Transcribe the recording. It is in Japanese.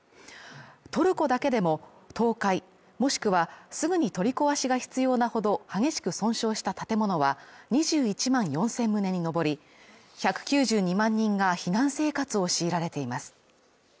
トルコだけでも倒壊もしくはすぐに取り壊しが必要なほど激しく損傷した建物は２１万４０００棟に上り、１９２万人が避難生活を強いられています。